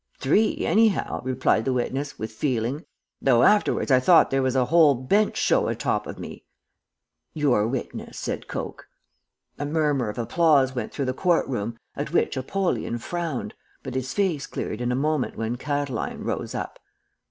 "'Three, anyhow,' replied the witness, with feeling, 'though afterwards I thought there was a whole bench show atop of me.' "'Your witness,' said Coke. "A murmur of applause went through the court room, at which Apollyon frowned; but his face cleared in a moment when Catiline rose up.